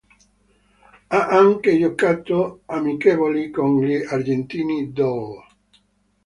Ha anche giocato amichevoli con gli argentini dell'.